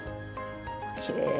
きれい！